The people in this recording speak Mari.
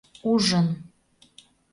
— Ужын.